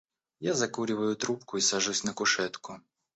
Я закуриваю трубку и сажусь на кушетку.